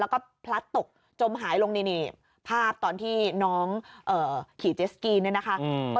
แล้วก็พลัดตกจมหายลงนี่ภาพตอนที่น้องขี่เจสกีเนี่ยนะคะ